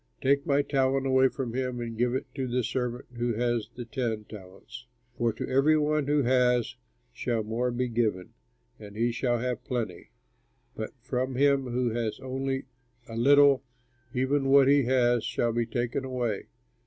Take my talent away from him and give it to the servant who has the ten talents; for to every one who has shall more be given and he shall have plenty; but from him who has only a little, even what he has shall be taken away.